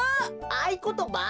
あいことば？